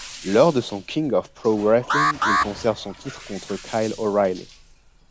Lors de King of Pro-Wrestling, il conserve son titre contre Kyle O'Reilly.